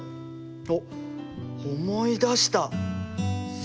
おっ思い出した。